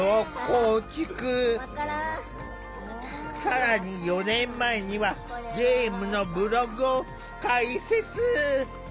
更に４年前にはゲームのブログを開設。